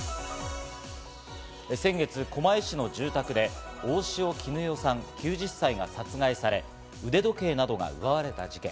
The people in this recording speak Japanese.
先月、狛江市の住宅で大塩衣与さん、９０歳が殺害され、腕時計などが奪われた事件。